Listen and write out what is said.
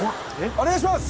お願いします！